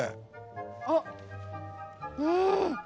あっうん！